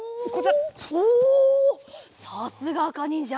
さすがあかにんじゃ！